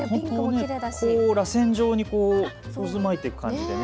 らせん状に渦巻いていく感じですね。